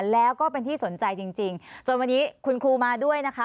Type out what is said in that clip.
แล้วก็เป็นที่สนใจจริงจนวันนี้คุณครูมาด้วยนะคะ